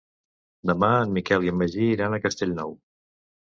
Demà en Miquel i en Magí iran a Castellnou.